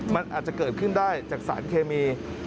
มันอาจจะเกิดขึ้นได้จากสารเคมี